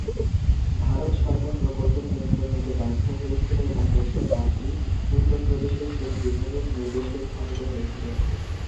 ভারত সরকার প্রকল্পের নিয়ন্ত্রণ নিতে বাধ্য হয়েছিল এবং প্রথমে বাঁধটি উত্তরপ্রদেশের সেচ বিভাগের নির্দেশে স্থাপিত হয়েছিল।